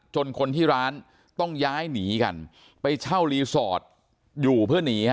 คนที่ร้านต้องย้ายหนีกันไปเช่ารีสอร์ทอยู่เพื่อหนีฮะ